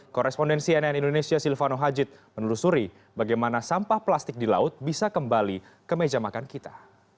korespondensi nn indonesia silvano hajid menelusuri bagaimana sampah plastik di laut bisa kembali ke meja makan kita